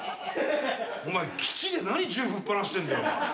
お前基地で何銃ぶっ放してんだよ。